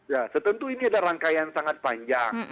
ya setentu ini ada rangkaian sangat panjang